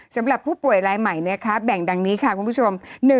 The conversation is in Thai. สำหรับผู้ป่วยรายใหม่นะคะแบ่งดังนี้ค่ะคุณผู้ชม